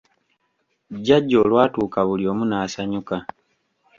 Jjjaja olwatuuka buli omu n'asanyuka.